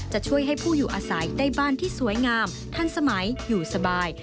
จะช่วยให้ผู้อยู่อาศัยได้บ้านที่สวยงามทันสมัยอยู่สบาย